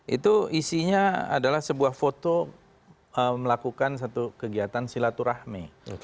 itu isinya adalah sebuah foto melakukan satu kegiatan silaturahmi